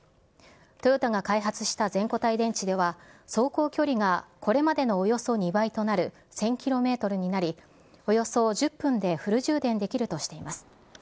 トヨタが開発した全固体電池は走行距離がこれまでのおよそ２倍となる１０００キロメートルになり、およそ１０分でフル充電できるとしています。